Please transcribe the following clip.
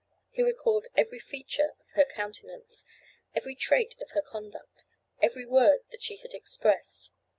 He recalled every feature of her countenance, every trait of her conduct, every word that she had expressed.